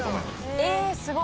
えすごい。